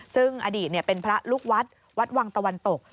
ซึ่งอดีตเป็นพระลูกวัดวัดวังตะวันตก